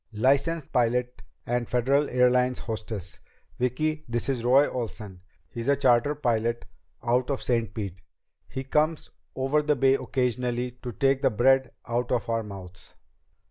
"Licensed pilot and Federal Airlines hostess. Vicki, this is Roy Olsen. He's a charter pilot out of Saint Pete. He comes over the Bay occasionally to take the bread out of our mouths."